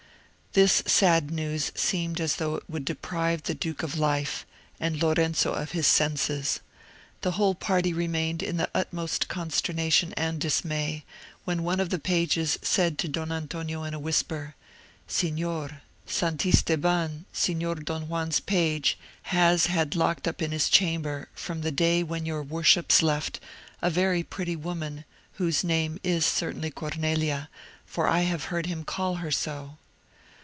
This sad news seemed as though it would deprive the duke of life, and Lorenzo of his senses. The whole party remained in the utmost consternation and dismay; when one of the pages said to Don Antonio in a whisper, "Signor, Santisteban, Signor Don Juan's page, has had locked up in his chamber, from the day when your worships left, a very pretty woman, whose name is certainly Cornelia, for I have heard him call her so."